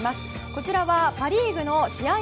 こちらはパ・リーグの試合